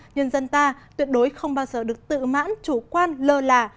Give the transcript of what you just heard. nhân dân ta tuyệt đối không bao giờ được tự mãn chủ quan lờ lả